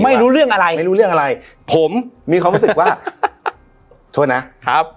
ไม่รู้เรื่องอะไรไม่รู้เรื่องอะไรผมมีความรู้สึกว่าโทษนะครับ